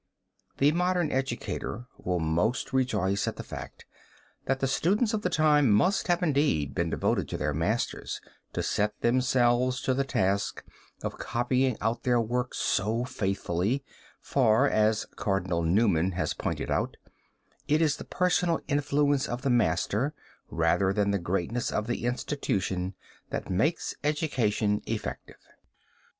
The modern educator will most rejoice at the fact that the students of the time must have indeed been devoted to their masters to set themselves to the task of copying out their work so faithfully for, as Cardinal Newman has pointed out, it is the personal influence of the master, rather than the greatness of the institution, that makes education effective.